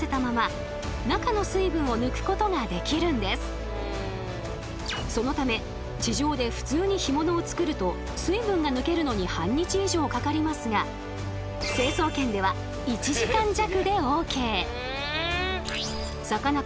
つまりそのため地上で普通に干物を作ると水分が抜けるのに半日以上かかりますが成層圏では１時間弱でＯＫ。